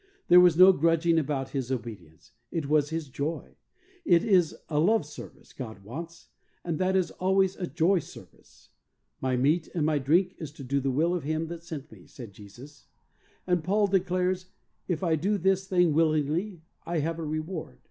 There was no grudging about his obedience; it was his joy. It is a love service God wants, and that is always a joy service. "My meat and My drink is to do the will of Him that sent Me," said Jesus, and Paul declares, "If I do this thing willingly, I have a reward."